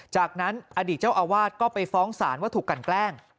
จากนั้นอดีตเจ้าอาวาสก็ไปฟ้องศาลว่าถูกกันแกล้ง